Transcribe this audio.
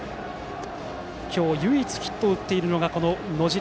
今日唯一ヒットを打っているバッター、野路。